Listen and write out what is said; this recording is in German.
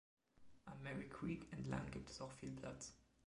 Am Merri Creek entlang gibt es auch viel Platz.